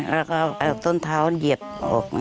แล้วก็เอาต้นเท้าเหยียบออก